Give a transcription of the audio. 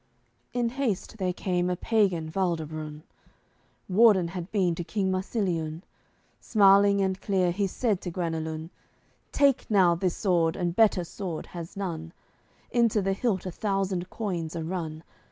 AOI. XLVIII In haste there came a pagan Valdabrun, Warden had been to King Marsiliun, Smiling and clear, he's said to Guenelun, "Take now this sword, and better sword has none; Into the hilt a thousand coins are run.